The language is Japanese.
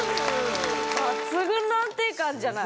抜群の安定感じゃない。